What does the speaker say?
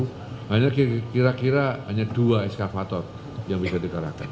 hanya kira kira hanya dua eskavator yang bisa dikatakan